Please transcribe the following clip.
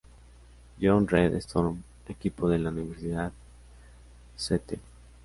John's Red Storm, equipo de la Universidad St.